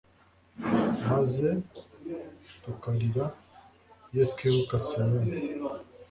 maze tukarira iyo twibukaga siyoni